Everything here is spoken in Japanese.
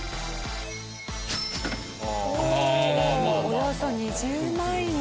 およそ２０万円。